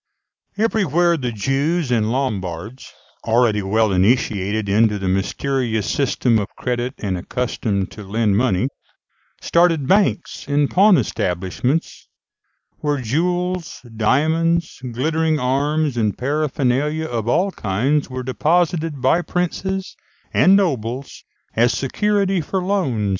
Everywhere the Jews and Lombards already well initiated into the mysterious System of credit, and accustomed to lend money started banks and pawn establishments, where jewels, diamonds, glittering arms, and paraphernalia of all kinds were deposited by princes and nobles as security for loans (Fig.